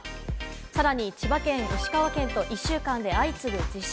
さらに千葉県、石川県と１週間で相次ぐ地震。